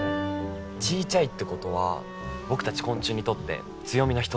ちいちゃいってことは僕たち昆虫にとって強みの一つです。